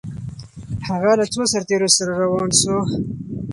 هغه له څو سرتیرو سره روان سو؟